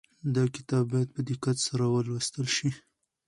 دا کتاب باید په دقت سره ولوستل شي.